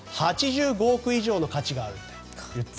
８５億以上の価値があると。